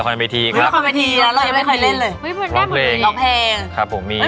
นี่เจ๊พี่